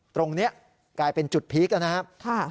ตรงนี้กลายเป็นจุดพีคนะครับ